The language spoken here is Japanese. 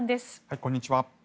こんにちは。